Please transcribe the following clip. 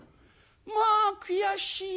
まあ悔しいね。